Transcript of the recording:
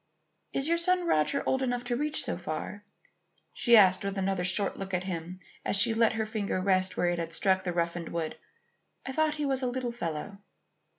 "Is your son Roger old enough to reach so far?" she asked with another short look at him as she let her finger rest where it had struck the roughened wood. "I thought he was a little fellow."